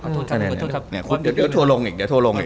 เออทำไมเราเป็นคนแบบนี้เนี่ยพี่อุ๊ยว่าไม่ได้ขอโทษครับ